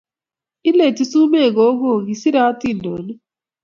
Ileti sumek gogoo, kiserei hatindonik